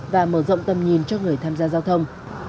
và mở rộng tầm nhìn cho người tham gia giao thông